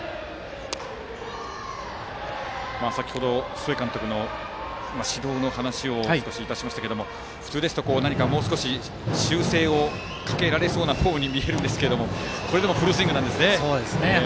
先程、須江監督の指導の話を少しいたしましたけれども普通ですと、もう少し修正をかけられそうなフォームに見えますがこれでもフルスイングなんですね。